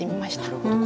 なるほど。